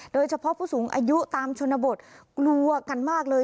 โดยเฉพาะผู้สูงอายุตามชนบทกลัวกันมากเลย